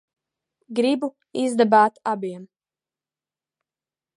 Gribu izdabāt abiem.